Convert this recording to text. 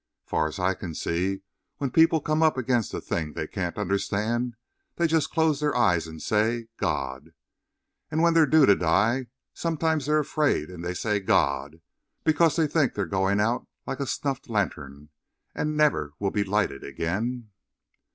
Far as I can see, when people come up against a thing they can't understand they just close their eyes and say, God! And when they're due to die, sometimes they're afraid and they say, God because they think they're going out like a snuffed lantern and never will be lighted again."